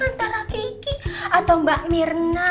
antara keki atau mbak mirna